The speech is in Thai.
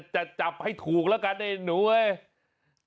จะจับให้ถูกละกันเนี่ยหนูเว้ย